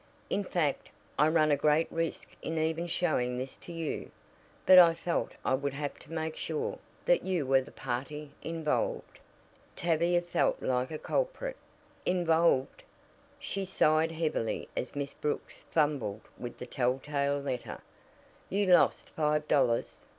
"In fact, I run a great risk in even showing this to you. But I felt I would have to make sure that you were the party involved." Tavia felt like a culprit. Involved! She sighed heavily as Miss Brooks fumbled with the telltale letter. "You lost five dollars?"